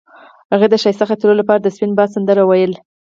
هغې د ښایسته خاطرو لپاره د سپین باد سندره ویله.